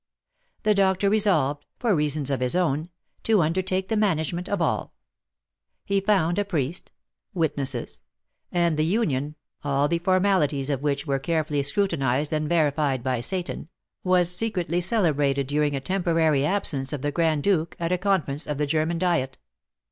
The doctor resolved (for reasons of his own) to undertake the management of all. He found a priest, witnesses; and the union (all the formalities of which were carefully scrutinised and verified by Seyton) was secretly celebrated during a temporary absence of the Grand Duke at a conference of the German Diet.